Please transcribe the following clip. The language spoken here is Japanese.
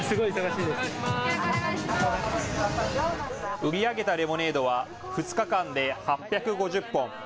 売り上げたレモネードは２日間で８５０本。